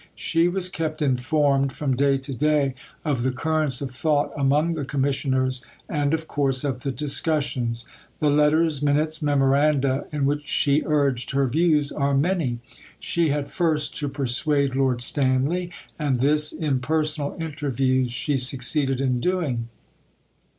She was kept informed from day to day of the currents of thought among the Commissioners, and of the course of the discussions. The letters, minutes, memoranda in which she urged her views are many. She had first to persuade Lord Stanley, and this in personal interviews she succeeded in doing.